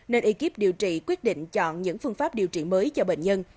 nên ekip điều trị quyết định chọn những phương pháp điều trị mới cho bệnh nhân